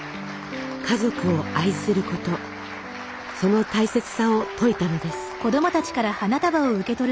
家族を愛することその大切さを説いたのです。